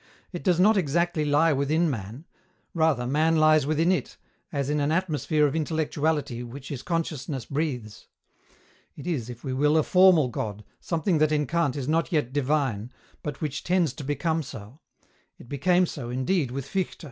It does not exactly lie within man; rather, man lies within it, as in an atmosphere of intellectuality which his consciousness breathes. It is, if we will, a formal God, something that in Kant is not yet divine, but which tends to become so. It became so, indeed, with Fichte.